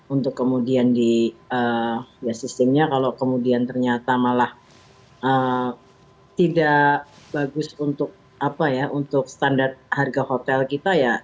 untuk kemudian di ya sistemnya kalau kemudian ternyata malah tidak bagus untuk standar harga hotel kita ya